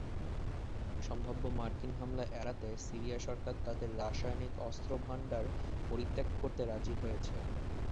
সম্ভাব্য মার্কিন হামলা এড়াতে সিরিয়া সরকার তাদের রাসায়নিক অস্ত্রভান্ডার পরিত্যাগ করতে রাজি হয়েছে।